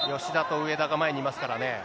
吉田と上田が前にいますからね。